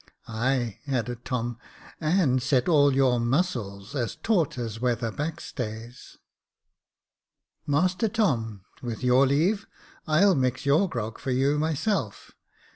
"Ay," added Tom, "and set all your muscles as taut as weather backstays." io6 Jacob Faithful " Master Tom, with your leave, I'll mix your grog for you myself.